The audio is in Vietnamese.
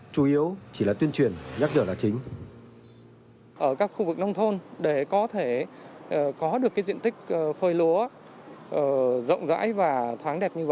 chuyển nhắc dở là chính